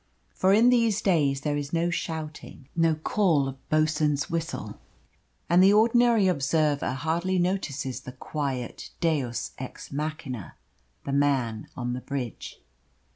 For in these days there is no shouting, no call of boatswain's whistle; and the ordinary observer hardly notices the quiet deus ex machina, the man on the bridge.